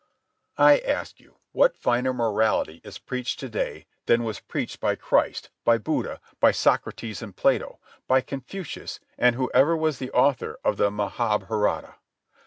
I ask you, what finer morality is preached to day than was preached by Christ, by Buddha, by Socrates and Plato, by Confucius and whoever was the author of the "Mahabharata"?